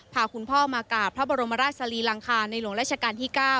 พาคุณพ่อมากราบพระบรมราชสรีลังคาในหลวงราชการที่๙